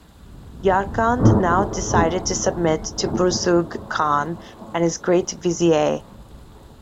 Yarkand now decided to submit to Burzug Khan and his great vizier.